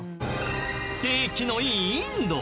景気のいいインド。